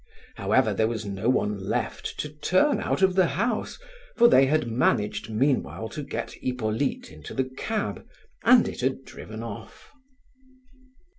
However, there was no one left to turn out of the house, for they had managed meanwhile to get Hippolyte into the cab, and it had driven off.